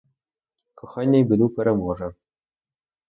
Кохання і біду переможе.